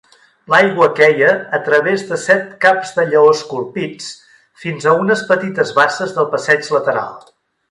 L'aigua queia a través de set caps de lleó esculpits fins a unes petites basses del passeig lateral.